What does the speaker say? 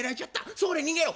それ逃げろ！」。